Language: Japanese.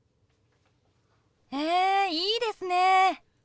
へえいいですね。